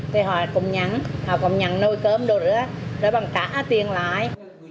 thì họ cũng nhắn nồi cơm đồ nữa đó bằng trả tiền lại